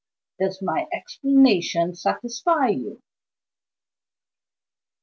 Does my explanation satisfy you?"